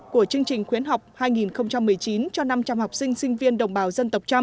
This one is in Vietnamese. của chương trình khuyến học hai nghìn một mươi chín cho năm trăm linh học sinh sinh viên đồng bào dân tộc trăm